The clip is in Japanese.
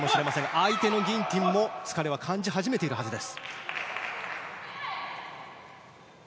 相手のギンティンも疲れは感じ始めているはずです。